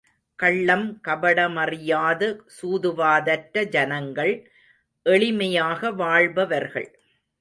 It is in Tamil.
கள்ளம் கபடமறியாத சூதுவாதற்ற ஜனங்கள் எளிமையாக வாழ்பவர்கள்.